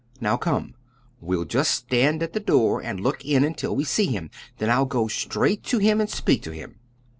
Now come; we'll just stand at the door and look in until we see him. Then I'll go straight to him and speak to him."